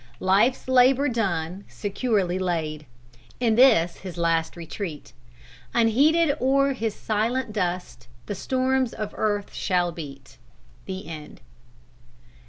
"Life's labor done, securely laid In this his last retreat, Unheeded o'er his silent dust, The storms of earth shall beat." _THE END.